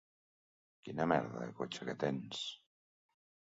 Quina merda de cotxe que tens!